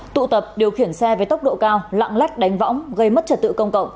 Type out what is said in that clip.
tụ tập điều khiển xe với tốc độ cao lạng lách đánh võng gây mất trật tự công cộng